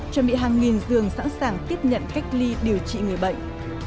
chuẩn bị hàng nghìn giường sẵn sàng tiếp nhận cách ly điều trị người bệnh